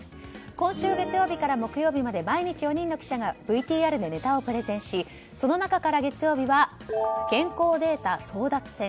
今週月曜日から木曜日まで毎日４人の記者がＶＴＲでネタをプレゼンしその中から月曜日は健康データ争奪戦